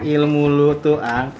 ilmu lu tuh ang